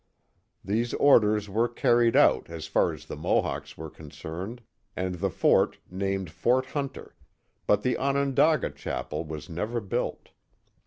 These orders were carried out as far as the Mohawks were concerned and the fort named Fort Hunter, but the Onondaga Chapel was never built.